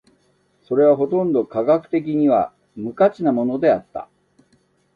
それはほとんど科学的には無価値なものであった。